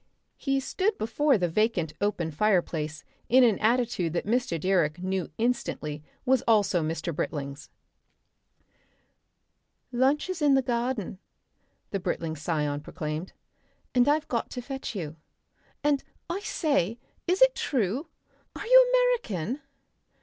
He stood before the vacant open fireplace in an attitude that Mr. Direck knew instantly was also Mr. Britling's. "Lunch is in the garden," the Britling scion proclaimed, "and I've got to fetch you. And, I say! is it true? Are you American?"